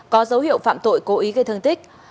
có dấu hiệu phạm tội cố ý gây thương tích